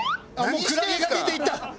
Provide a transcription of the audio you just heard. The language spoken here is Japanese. クラゲが出ていった！